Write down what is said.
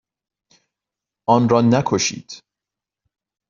آن را نکشید.